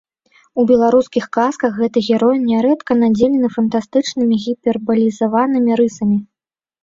У беларускіх казках гэты герой нярэдка надзелены фантастычнымі гіпербалізаванымі рысамі.